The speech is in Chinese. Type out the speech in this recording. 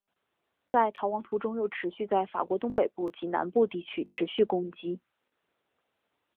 在逃亡途中又陆续在法国东北部及南部地区持续攻击。